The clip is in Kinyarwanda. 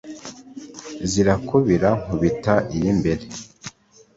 Zirakubira nku bita iy’imbere,